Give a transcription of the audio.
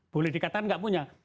boleh dikatakan tidak punya